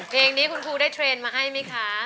เพลงนี้คุณครูได้เทรนด์มาให้ไหมคะ